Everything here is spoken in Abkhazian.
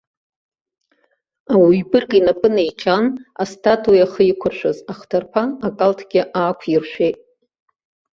Ауаҩ бырг инапы неиҟьан, астатуи ахы иқәыршәыз ахҭырԥа акалҭгьы аақәиршәеит.